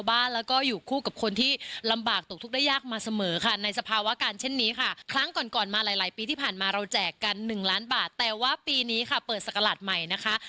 เปิดสักกระหลาดใหม่นะคะ